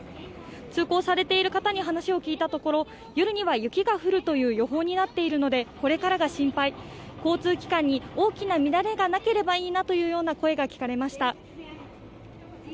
通行されている方に話を聞いたところ、夜には雪が降るという予報になっているのでこれからが心配、交通機関に大きな乱れがなければいいなという声が聞かれました。